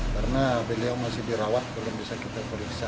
karena beliau masih dirawat belum bisa kita periksa